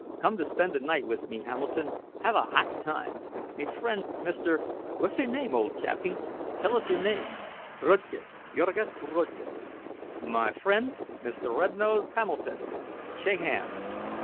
Come to spend the night wiz me, Hamilton—have a hot time. Me fren', Mr.—whuzya name, ole chappie? Tell us your name." "Rudkus—Jurgis Rudkus." "My fren', Mr. Rednose, Hamilton—shake han's."